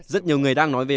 rất nhiều người đang nói rằng